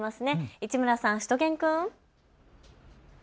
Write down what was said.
市村さん、しゅと犬くん。